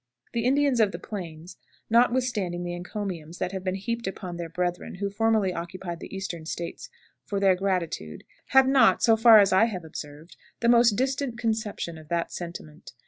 The Indians of the Plains, notwithstanding the encomiums that have been heaped upon their brethren who formerly occupied the Eastern States for their gratitude, have not, so far as I have observed, the most distant conception of that sentiment.